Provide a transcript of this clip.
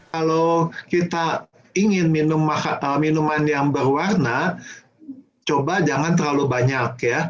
kalau kita ingin minum minuman yang berwarna coba jangan terlalu banyak ya